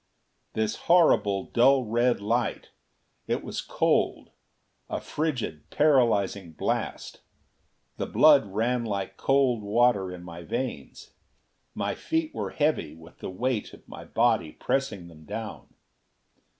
This horrible dull red light! It was cold a frigid, paralyzing blast. The blood ran like cold water in my veins. My feet were heavy with the weight of my body pressing them down.